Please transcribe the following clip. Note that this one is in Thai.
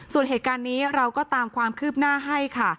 ส่วนเหตุการณ์นี้เราก็ตามความคืบหน้าให้ค่ะ